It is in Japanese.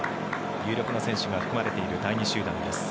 有力な選手が含まれている第２集団です。